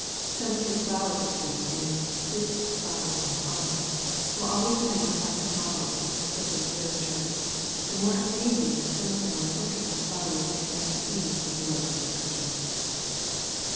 Some of his flower pictures in 'Fruits, Flowers, and Farming' will always remain classic models of descriptive literature, the more amazing that some of them are portraits of flowers he had never seen when he wrote the description.